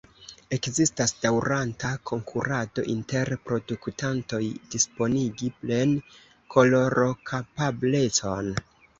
Ekzistas daŭranta konkurado inter produktantoj disponigi plen-kolorokapablecon.